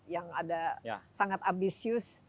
yang ada sangat abisius